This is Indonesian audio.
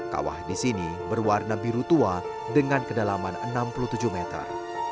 kawah di sini berwarna biru tua dengan kedalaman enam puluh tujuh meter